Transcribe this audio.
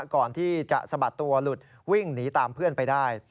ก่อนที่จะสะบัดตัวหลุดวิ่งหนีตามเพื่อนไปได้